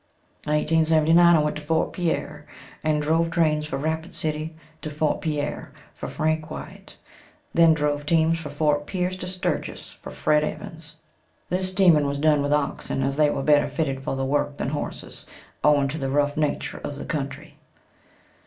In 1879 I went to Fort Pierre and drove trains from Rapid city to Fort Pierre for Frank Wite then drove teams from Fort Pierce to Sturgis for Fred. Evans. This teaming was done with oxen as they were better fitted for the work than horses, owing to the rough nature of the country.